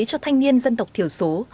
cho thanh niên dân tộc thiểu số